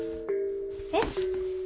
えっ？